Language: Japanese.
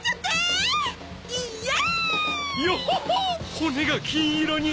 骨が金色に！